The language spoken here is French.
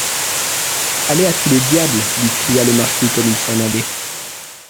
Allez à tous les diables, lui cria le marquis comme il s'en allait.